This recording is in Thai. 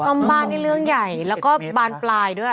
ซ่อมบ้านนี่เรื่องใหญ่แล้วก็บานปลายด้วย